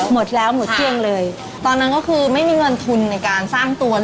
หมดแล้วหมดเตียงเลยตอนนั้นก็คือไม่มีเงินทุนในการสร้างตัวเลย